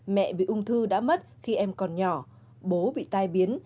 mẹ bị ung thư đã mất khi em còn nhỏ bố bị tai biến